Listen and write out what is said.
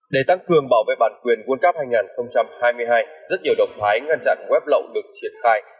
để tăng cường bảo vệ bản quyền world cup hai nghìn hai mươi hai rất nhiều động thái ngăn chặn web lậu được triển khai